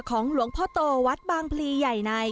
หลวงพ่อโตวัดบางพลีใหญ่ใน